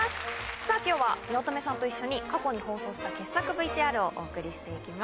さぁ今日は八乙女さんと一緒に過去に放送した傑作ＶＴＲをお送りして行きます。